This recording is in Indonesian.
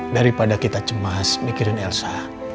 daripada kita cemas mikirin elsa